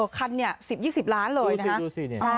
คันเนี่ย๑๐๒๐ล้านเลยนะคะ